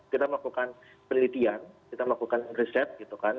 kita melakukan penelitian kita melakukan riset gitu kan